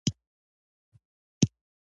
زما ټولې هیلې پوره شوې.